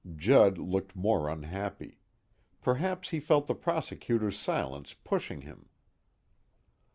Judd looked more unhappy; perhaps he felt the prosecutor's silence pushing him.